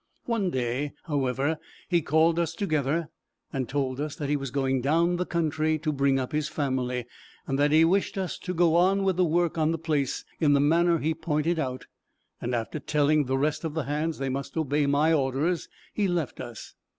One day, however, he called us together, and told us that he was going down the country, to bring up his family that he wished us to go on with the work on the place in the manner he pointed out; and telling the rest of the hands that they must obey my orders, he left us.